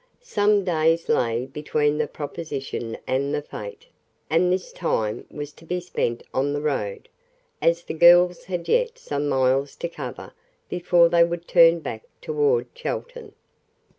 Some days lay between the proposition and the fete, and this time was to be spent on the road, as the girls had yet some miles to cover before they would turn back toward Chelton.